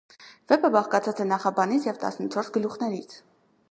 Վեպը բաղկացած է նախաբանից և տասնչորս գլուխներից։